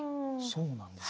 そうなんですね。